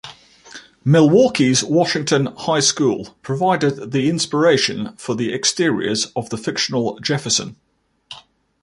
Milwaukee's Washington High School provided the inspiration for the exteriors of the fictional Jefferson.